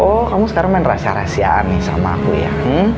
oh kamu sekarang main rasa rasa aneh sama aku ya